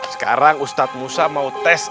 sekarang ustadz musa mau tes